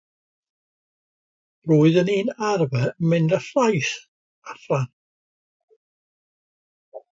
Roeddwn i'n arfer mynd â llaeth allan.